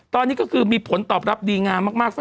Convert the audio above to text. ตอนนี้ก็คือมีผลตอบรับดีงามมาก